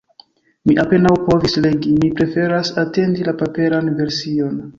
Mi apenaŭ povis legi, mi preferas atendi la paperan version.